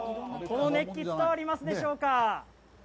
この熱気伝わりますでしょうか。